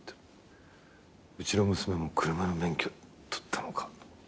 うちの娘も車の免許取ったのか。